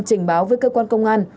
trình báo với cơ quan công an